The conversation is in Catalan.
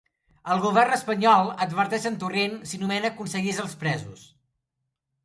El govern espanyol adverteix Torrent si nomena consellers els presos.